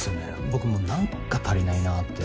僕も何か足りないなって。